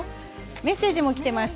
メッセージもきています。